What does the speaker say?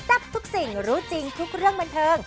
ทับทุกสิ่งรู้จริงทุกเรื่องบันเทิง